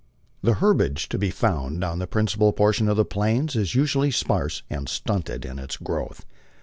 The herbage to be found on the principal portion of the Plains is usually sparse and stunted in its growth.